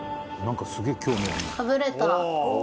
かぶれた。